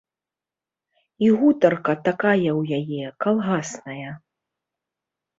І гутарка такая ў яе, калгасная.